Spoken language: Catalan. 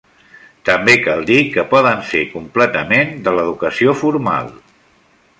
També cal dir que poden ser completament de l'educació formal.